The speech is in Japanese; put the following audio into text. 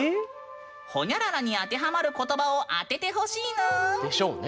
ホニャララに当てはまる言葉を当ててほしいぬ！でしょうね。